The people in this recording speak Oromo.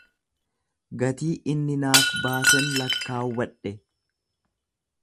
Gatii inni naaf baasen lakkaawwadhe.